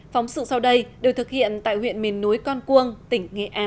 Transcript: phóng sự sau đây được thực hiện tại huyện mền nối con cuông tỉnh nghệ an